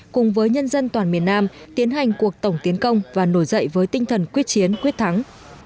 cùng với nhân dân toàn miền nam tiến hành cuộc tổng tiến công và nổi dậy với tinh thần quyết chiến quyết thắng